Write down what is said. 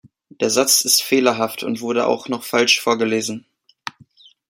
Der Satz ist fehlerhaft und wurde auch noch falsch vorgelesen.